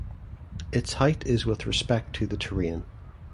Its height is with respect to the terrain.